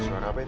suara apa itu